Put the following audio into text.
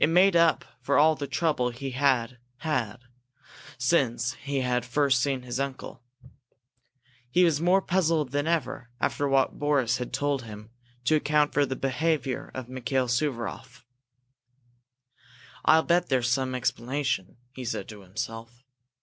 It made up for all the trouble he had had since he had first seen his uncle. He was more puzzled than ever, after what Boris had told him, to account for the behavior of Mikail Suvaroff. "I'll bet there's some explanation," he said to himself.